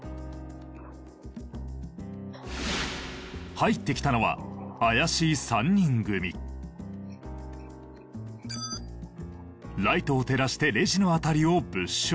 入ってきたのはライトを照らしてレジの辺りを物色。